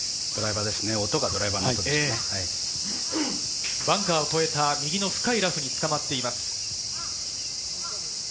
音がドライバーの音でしバンカーを越えた右の深いラフにつかまっています。